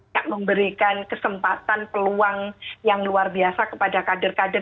yang memberikan kesempatan peluang yang luar biasa kepada kader kader